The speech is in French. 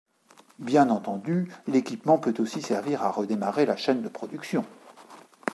Bien entendu, l'équipement peut aussi servir à redémarrer la chaîne de production.